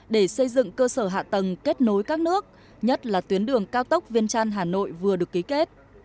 để xây dựng cơ sở hạ tầng kết nối các nước nhất là tuyến đường cao tốc viên trăn hà nội vừa được ký kết